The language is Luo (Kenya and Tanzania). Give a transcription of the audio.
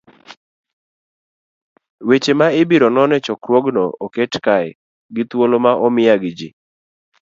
Weche ma ibiro non e chokruogno oket kae gi thuolo ma omiya gi ji